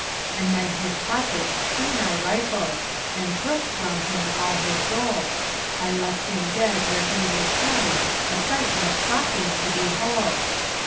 And then his pockets soon I rifled, And took from him all his gold, I left him dead where he was found, A sight most shocking to behold.